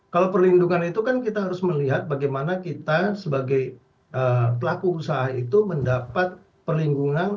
kalau perlindungan itu kan kita harus melihat bagaimana kita sebagai pelaku usaha itu mendapat perlindungan